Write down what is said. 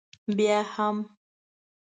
بیا هم.